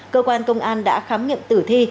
cơ quan công an đã khám nghiệm tử thi